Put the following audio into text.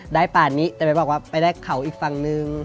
ได้ป่านนี้จะบอกว่าไปได้เขาอีกฝั่งหนึ่ง